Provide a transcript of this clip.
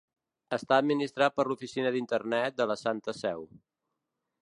Està administrat per l'Oficina d'Internet de la Santa Seu.